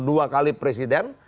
dua kali presiden